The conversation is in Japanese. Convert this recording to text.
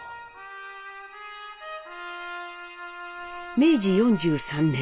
明治４３年。